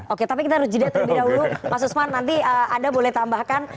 oke tapi kita harus jeda terlebih dahulu mas usman nanti anda boleh tambahkan